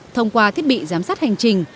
thông qua thiết bị giám sát hành trình